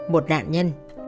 một đạn nhân